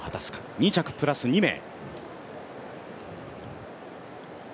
２着プラス２名。